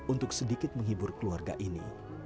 untuk sedikit menghibur keluarga ini